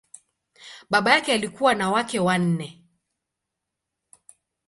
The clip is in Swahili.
Baba yake alikuwa na wake wanne.